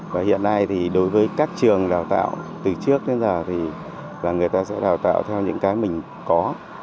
và hiện nay thì đối với các trường đào tạo từ trước đến giờ thì là người ta sẽ đào tạo theo những cái mình có